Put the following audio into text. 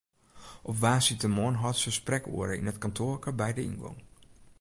Op woansdeitemoarn hâldt se sprekoere yn it kantoarke by de yngong.